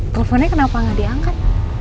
teleponnya kenapa gak diangkat